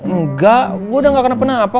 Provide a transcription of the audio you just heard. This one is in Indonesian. enggak gue udah gak kena apa